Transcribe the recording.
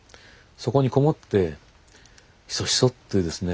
そこに籠もってヒソヒソってですね